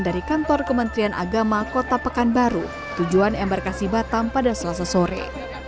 dari kantor kementerian agama kota pekanbaru tujuan embarkasi batam pada selasa sore